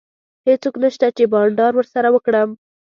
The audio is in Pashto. هیڅوک نشته چي بانډار ورسره وکړم.